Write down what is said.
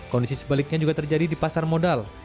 kondisi sebaliknya juga terjadi di pasar modal